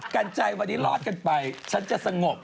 กันใจวันนี้รอดกันไปฉันจะสงบ